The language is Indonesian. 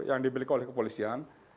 yang dimiliki oleh kepolisian